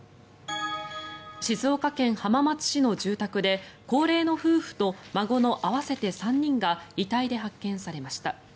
静岡県浜松市の住宅で高齢の夫婦と孫の合わせて３人が遺体で発見されました。